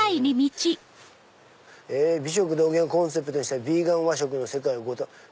「美食同源をコンセプトにしたヴィーガン和食の世界」。